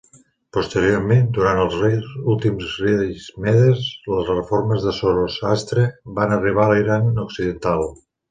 Posteriorment, durant els últims reis medes, les reformes de Zoroastre van arribar a l'Iran occidental.